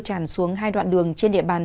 tràn xuống hai đoạn đường trên địa bàn